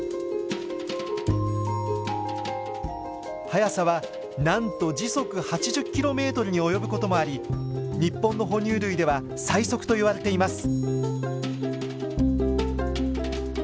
速さはなんと時速８０キロメートルに及ぶこともあり日本の哺乳類では最速といわれています。